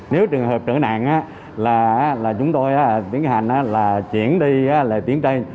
nếu trường hợp trở nạn là chúng tôi tiến hành là chuyển đi là tiến trây